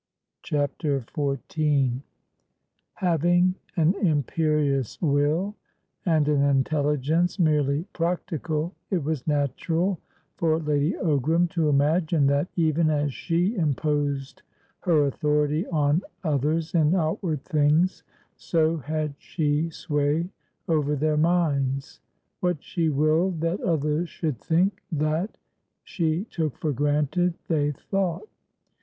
CHAPTER XIV Having an imperious Will and an intelligence merely practical, it was natural for Lady Ogram to imagine that, even as she imposed her authority on others in outward things, so had she sway over their minds; what she willed that others should think, that, she took for granted, they thought.